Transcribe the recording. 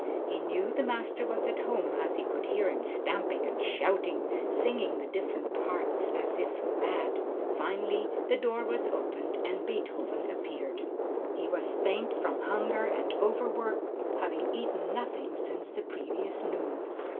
He knew the master was at home as he could hear him stamping and shouting, singing the different parts as if mad. Finally the door was opened and Beethoven appeared. He was faint from hunger and overwork, having eaten nothing since the previous noon.